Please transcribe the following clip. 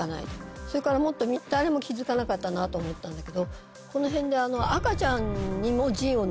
それから誰も気付かなかったなと思ったんだけどこの辺で。